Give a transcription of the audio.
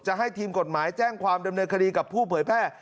ให้ทีมกฎหมายแจ้งความดำเนินคดีกับผู้เผยแพร่